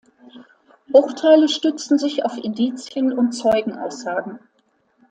Urteile stützten sich auf Indizien und Zeugenaussagen.